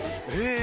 え！